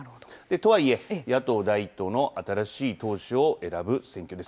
とはいえ、野党第１党の新しい党首を選ぶ選挙です。